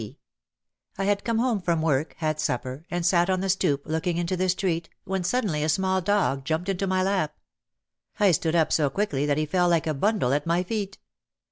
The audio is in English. V. I had come home from work, had supper, and sat on the stoop looking into the street when suddenly a small dog jumped into my lap. I stood up so quickly that he fell like a bundle at my feet.